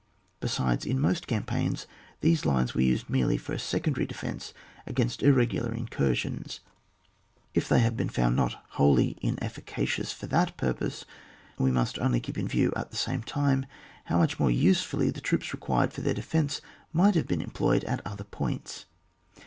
Be sides, in most campaigns these lines were used merely for a secondary defence against irregular incursions; if they have been found not wholly inefficacious for that purpose, we must only keep in view, at the same time, how much more usefiilly the troops required for their de fence might have been employed at other points.